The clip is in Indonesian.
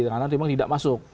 karena memang tidak masuk